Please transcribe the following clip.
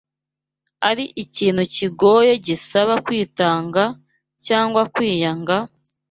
ari ikintu kigoye gisaba kwitanga cyangwa kwiyanga,